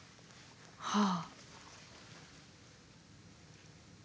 はあ。